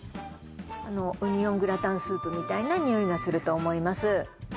あのオニオングラタンスープみたいな匂いがすると思います